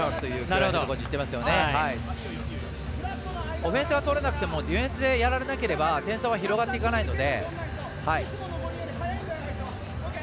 オフェンスが通らなくてもディフェンスでやられなければ点差は広がっていかないので。